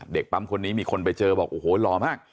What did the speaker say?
เด็กปั๊มคนนี้มีคนไปเจอบอกโอ้โหหล่อมาก